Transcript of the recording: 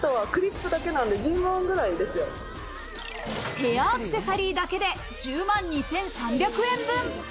ヘアアクセサリーだけで１０万２３００円分。